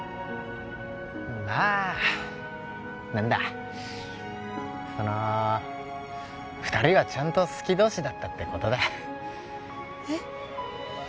まあ何だその二人はちゃんと好き同士だったってことだえっ？